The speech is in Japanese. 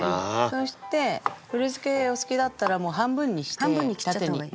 そして古漬けお好きだったらもう半分にして縦に。